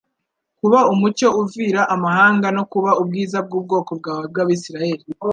Kuba umucyo uvira amahanga, no kuba ubwiza bw'ubwoko bwawe bw'Abisiraheli